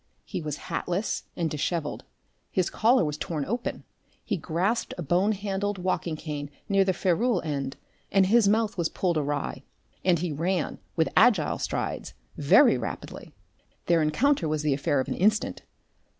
He was hatless and dishevelled, his collar was torn open, he grasped a bone handled walking cane near the ferrule end, and his mouth was pulled awry. And he ran, with agile strides, very rapidly. Their encounter was the affair of an instant.